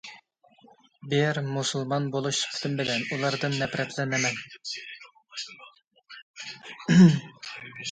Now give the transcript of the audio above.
بىر مۇسۇلمان بولۇش سۈپىتىم بىلەن ئۇلاردىن نەپرەتلىنىمەن!